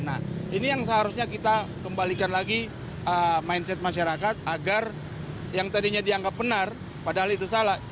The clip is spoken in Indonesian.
nah ini yang seharusnya kita kembalikan lagi mindset masyarakat agar yang tadinya dianggap benar padahal itu salah